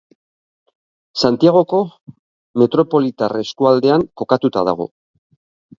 Santiagoko metropolitar eskualdean kokatuta dago.